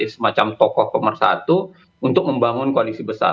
semacam tokoh pemersatu untuk membangun koalisi besar